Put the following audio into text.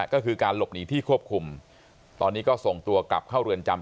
ก็คือการหลบหนีที่ควบคุมตอนนี้ก็ส่งตัวกลับเข้าเรือนจำ